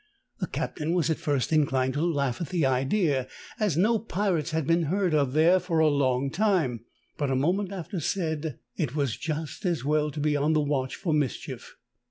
"The eaptain was at first inclined to laugh at the idea, as no pirates had been heard of there for a long time, but a moment after said it was just as well to be on the watch for mischief.